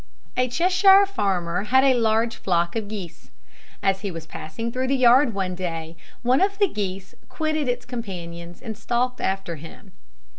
A Cheshire farmer had a large flock of geese. As he was passing through the yard one day, one of the geese quitted its companions and stalked after him.